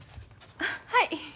はい。